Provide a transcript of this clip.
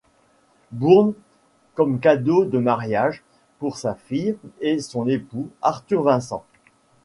Bourn comme cadeau de mariage pour sa fille et son époux, Arthur Vincent.